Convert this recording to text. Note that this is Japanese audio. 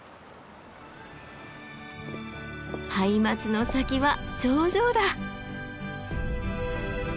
ハイマツの先は頂上だ！